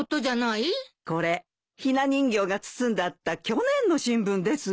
これひな人形が包んであった去年の新聞ですよ。